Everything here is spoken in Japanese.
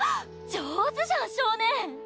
上手じゃん少年！